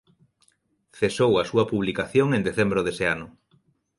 Cesou a súa publicación en decembro dese ano.